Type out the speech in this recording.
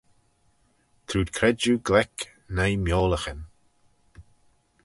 Trooid credjue gleck, noi miolaghyn.